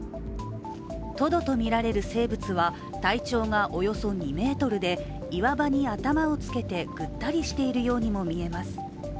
トドとみられる生物は体長がおよそ２ｍで岩場に頭をつけてぐったりしているようにも見えます。